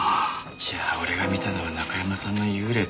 じゃあ俺が見たのは中山さんの幽霊って事っすか？